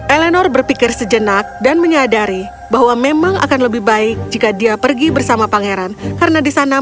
eleanor berpikir sejenak dan menyadari bahwa menurutmu dia tidak akan pernah berpisah